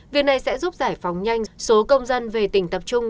việc này sẽ giúp giải phóng nhanh số công dân về tỉnh tập trung